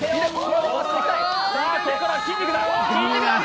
ここからは筋肉だ！